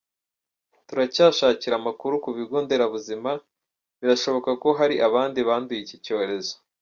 Turacyashakira amakuru ku bigo nderabuzima, birashoboka ko hari abandi banduye iki cyorezo.